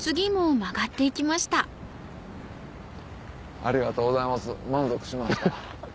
ありがとうございます満足しました。